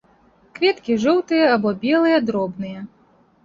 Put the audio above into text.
Кветкі жоўтыя або белыя, дробныя.